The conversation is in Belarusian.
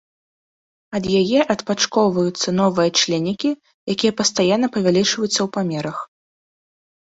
Ад яе адпачкоўваюцца новыя членікі, якія пастаянна павялічваюцца ў памерах.